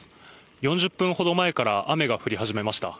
４０分ほど前から雨が降り始めました。